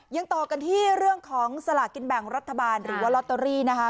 ยังต่อกันที่เรื่องของสลากกินแบ่งรัฐบาลหรือว่าลอตเตอรี่นะคะ